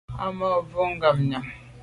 Á ma’ mbwe ngabnyàm.